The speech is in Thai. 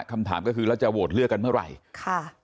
คำถามก็คือแล้วจะโหวตเลือกกันเมื่อไหร่ค่ะ